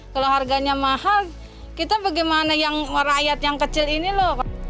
kalau harganya mahal kita bagaimana yang rakyat yang kecil ini loh